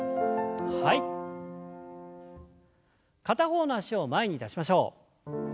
片方の脚を前に出しましょう。